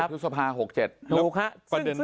๑๑ทุศภาคศ๖๗ถูกครับ